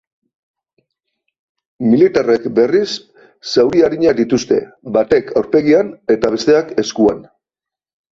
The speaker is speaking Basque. Militarrek, berriz, zauri arinak dituzte, batek aurpegian eta besteak eskuan.